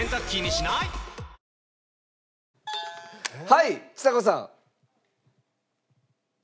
はいちさ子さん。